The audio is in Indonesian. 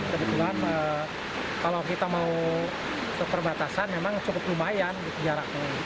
kebetulan kalau kita mau ke perbatasan memang cukup lumayan jaraknya